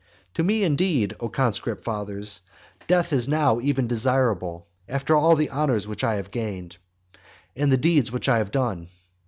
To me, indeed, O conscript fathers, death is now even desirable, after all the honours which I have gained, and the deeds which I have done.